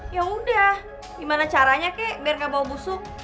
yaudah gimana caranya kek biar gak bau busuk